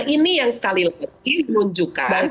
nah ini yang sekali lagi dimunjukkan